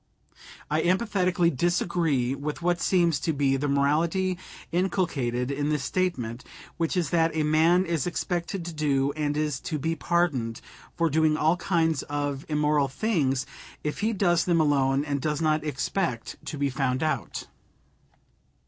I emphatically disagree with what seems to be the morality inculcated in this statement, which is that a man is expected to do and is to be pardoned for doing all kinds of immoral things if he does them alone and does not expect to be found out.